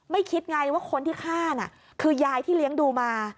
คิดไงว่าคนที่ฆ่าน่ะคือยายที่เลี้ยงดูมา